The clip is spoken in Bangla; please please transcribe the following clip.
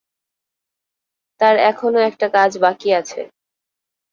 তার এখনো একটা কাজ বাকী আছে।